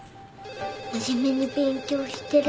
真面目に勉強してる。